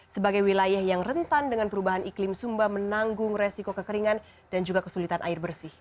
sebagai wilayah yang rentan dengan perubahan iklim sumba menanggung resiko kekeringan dan juga kesulitan air bersih